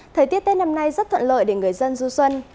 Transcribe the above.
thời tiết tết năm nay rất thuận lợi để người dân du xuân